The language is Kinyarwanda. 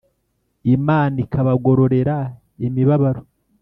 imana ikabagororera imibabaro